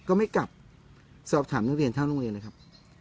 ก็ไม่กลับสอบถามนักเรียนทั้งโรงเรียนเลยครับ